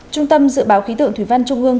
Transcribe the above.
trung tâm dự báo khí tượng thủy văn trung ương